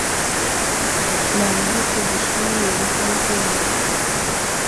Naa mo hay ko de coo weere holge wo lay.